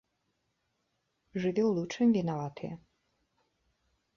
Жывёлы ў чым вінаватыя.